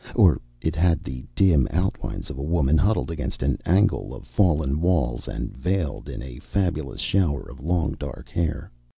Or it had the dim outlines of a woman, huddled against an angle of fallen walls and veiled in a fabulous shower of long dark hair.